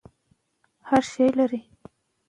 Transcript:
که نجونې ښوونځي ته نه ځي، کورني شخړې ډېرېږي.